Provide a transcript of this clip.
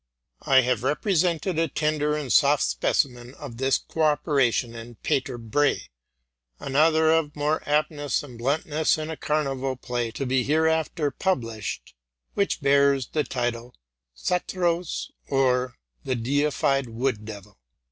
I have represented a tender and soft specimen of these guild brethren in '' Pater Brey ;"' another, of more aptness and bluntness, in a carnival play to be hereafter published, which bears the title, '' Satyros, or the deified Wood devil.